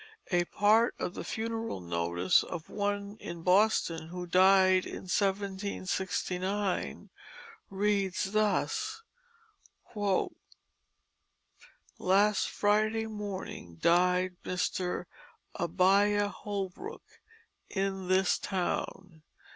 A part of the funeral notice of one in Boston, who died in 1769, reads thus: "Last Friday morning died Mr. Abiah Holbrook in this town.